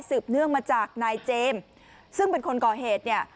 เนื่องมาจากนายเจมส์ซึ่งเป็นคนก่อเหตุเนี่ย